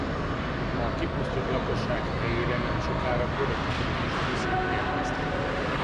A kipusztult lakosság helyére nemsokára görögkatolikus ruszinok érkeztek.